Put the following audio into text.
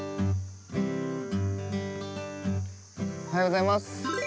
◆おはようございまーす。